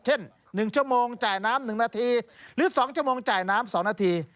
เช่น๑ชั่วโมงจ่ายน้ำ๑นาทีหรือ๒ชั่วโมงจ่ายน้ำ๒นาที